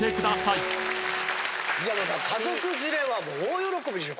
家族連れは大喜びでしょ。